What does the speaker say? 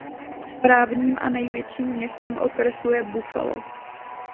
Správním a největším městem okresu je Buffalo.